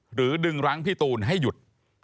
หรือดึงรั้งพี่ตูนให้หยุด